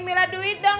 mending buruk dong